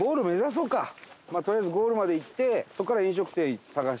とりあえずゴールまで行ってそこから飲食店探し。